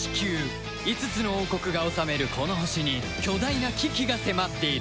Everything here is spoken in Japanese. ５つの王国が治めるこの星に巨大な危機が迫っている